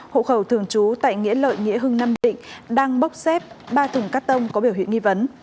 hộ khẩu thường trú tại nghĩa lợi nghĩa hưng nam định đang bốc xếp ba thùng cắt tông có biểu hiện nghi vấn